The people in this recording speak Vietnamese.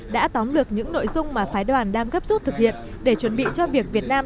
đã tóm lược những nội dung mà phái đoàn đang gấp rút thực hiện để chuẩn bị cho việc việt nam